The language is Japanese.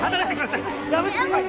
やめてください。